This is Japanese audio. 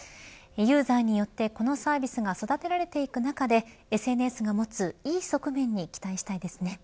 ユーザーによってこのサービスが育てられていく中でＳＮＳが持ついい側面に期待したいですね。